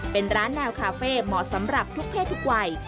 เป็นร้านแนวคาเฟ่เหมาะสำหรับทุกเพศทุกวัย